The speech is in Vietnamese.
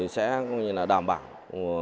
sẽ đảm bảo